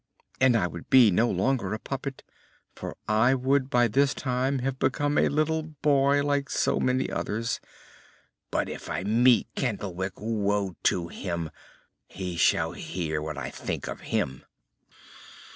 And I would be no longer a puppet, for I would by this time have become a little boy like so many others: But if I meet Candlewick, woe to him! He shall hear what I think of him!"